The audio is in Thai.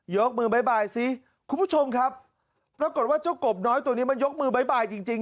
ยกมือบ๊ายบายซิคุณผู้ชมครับปรากฏว่าเจ้ากบน้อยตัวนี้มันยกมือบ๊ายบายจริงจริง